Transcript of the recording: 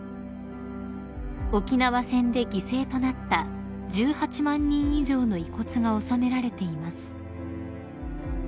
［沖縄戦で犠牲となった１８万人以上の遺骨が納められています］